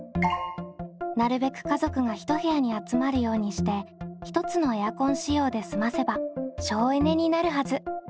なるべく家族が一部屋に集まるようにして１つのエアコン使用で済ませば省エネになるはず。